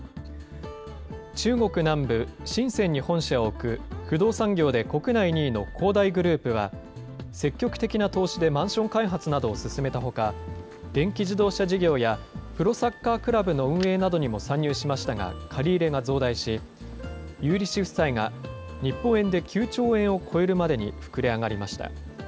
中国南部深センに本社を置く、不動産業で国内２位の恒大グループは、積極的な投資でマンション開発などを進めたほか、電気自動車事業やプロサッカークラブの運営などにも参入しましたが、借り入れが増大し、有利子負債が日本円で９兆円を超えるまでに膨れ上がりました。